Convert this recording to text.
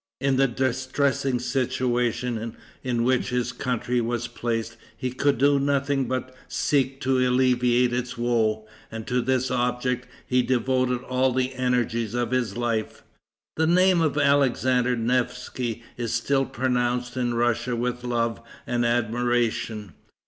In the distressing situation in which his country was placed, he could do nothing but seek to alleviate its woe; and to this object he devoted all the energies of his life. The name of Alexander Nevsky is still pronounced in Russia with love and admiration.